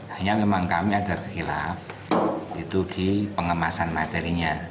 hanya memang kami ada hilaf itu di pengemasan materinya